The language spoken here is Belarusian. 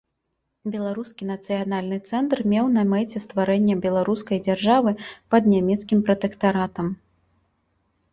Беларускі нацыянальны цэнтр меў на мэце стварэнне беларускай дзяржавы пад нямецкім пратэктаратам.